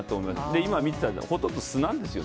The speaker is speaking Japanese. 今、見てたら、ほとんど素なんですよね。